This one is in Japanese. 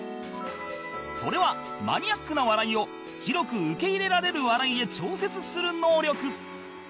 それはマニアックな笑いを広く受け入れられる笑いへ調節する能力